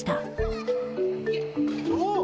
お！